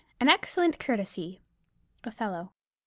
an excellent courtesy. _Othello.